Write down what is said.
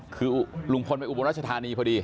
คือลุงพลไปอุบลรัชธานีพอดี